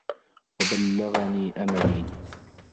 وَبَلَّغَنِي أَمَلِي